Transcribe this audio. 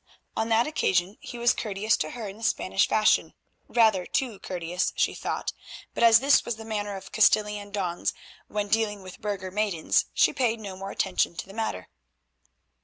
On that occasion he was courteous to her in the Spanish fashion, rather too courteous, she thought, but as this was the manner of Castilian dons when dealing with burgher maidens she paid no more attention to the matter.